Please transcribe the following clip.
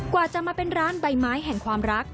กว่าจะมาเป็นร้านใบไม้แห่งความรัก